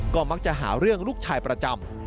ก็มักจะหาเรื่องลูกชายประจำ